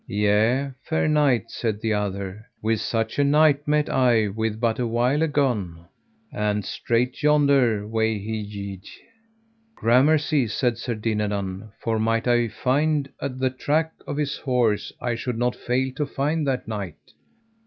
Yea, fair knight, said the other, with such a knight met I with but a while agone, and straight yonder way he yede. Gramercy, said Sir Dinadan, for might I find the track of his horse I should not fail to find that knight.